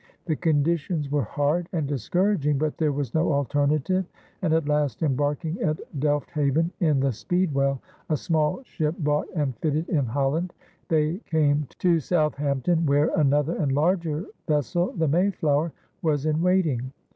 The conditions were hard and discouraging, but there was no alternative; and at last, embarking at Delfthaven in the Speedwell, a small ship bought and fitted in Holland, they came to Southampton, where another and larger vessel, the Mayflower, was in waiting.